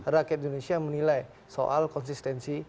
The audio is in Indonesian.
rakyat indonesia menilai soal konsistensi